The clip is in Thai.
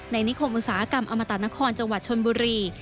นิคมอุตสาหกรรมอมตะนครจังหวัดชนบุรี